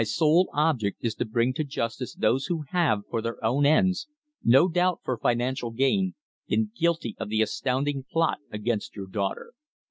"My sole object is to bring to justice those who have, for their own ends no doubt for financial gain been guilty of the astounding plot against your daughter.